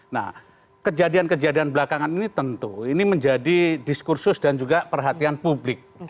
nah kejadian kejadian belakangan ini tentu ini menjadi diskursus dan juga perhatian publik